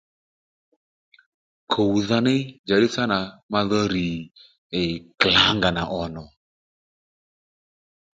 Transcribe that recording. Kùwdha ní ee njàddí sâ nà madho rr̀ ee kalangana ò nò